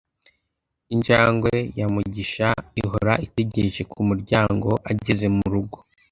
injangwe ya mugisha ihora itegereje kumuryango ageze murugo